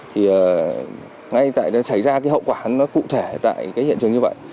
thì ngay tại xảy ra hậu quả cụ thể tại hiện trường như vậy